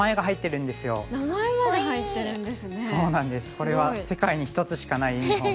これは世界に一つしかないユニフォームで。